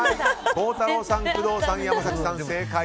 孝太郎さん、工藤さん山崎さん、正解。